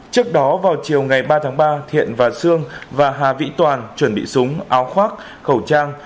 trước đó vào chiều ngày ba tháng ba thiện và sương và hà vĩ toàn chuẩn bị súng áo khoác khẩu trang